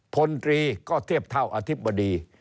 พลตรีก็เทียบเท่าอธิบดี